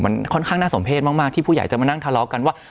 มันค่อนข้างน่าสมเพศมากที่ผู้ใหญ่จะมานั่งทะเลาะกันว่า